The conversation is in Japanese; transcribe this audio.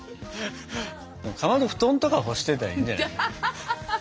かまど布団とか干してたらいいんじゃないの？